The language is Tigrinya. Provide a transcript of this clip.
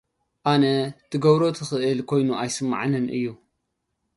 ኣና ትገብሮ ትክእል ኮይኑ ኣይስመዓን እዩ።